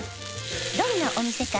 どんなお店か